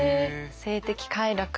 性的快楽。